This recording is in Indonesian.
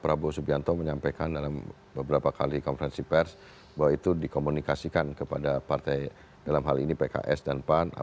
prabowo subianto menyampaikan dalam beberapa kali konferensi pers bahwa itu dikomunikasikan kepada partai dalam hal ini pks dan pan